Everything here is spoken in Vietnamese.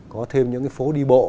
có thêm những phố đi bộ